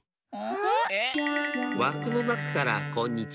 わくのなかからこんにちは。